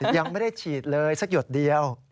ยังไม่ได้ฉีดเลยสักหยดเดียว